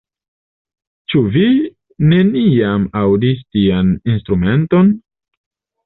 Ĉu vi neniam aŭdis tian instrumenton?